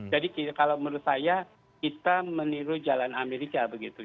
jadi kalau menurut saya kita meniru jalan amerika begitu